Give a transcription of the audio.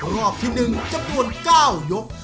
รอบที่๑จำนวน๙ยก